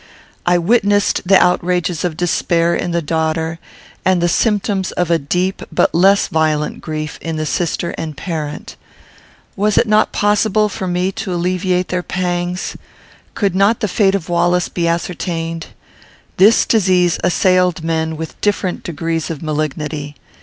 I witnessed the outrages of despair in the daughter, and the symptoms of a deep but less violent grief in the sister and parent. Was it not possible for me to alleviate their pangs? Could not the fate of Wallace be ascertained? This disease assailed men with different degrees of malignity.